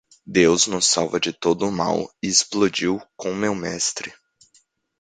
Deus nos salva de todo o mal e explodiu com meu mestre.